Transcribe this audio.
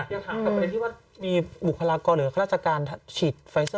อยากถามกันไปที่ว่ามีบุคลากรหรือฆาตราชการฉีดไฟเซอร์